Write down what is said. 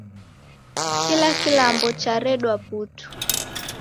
Kila kilambo charedwa putu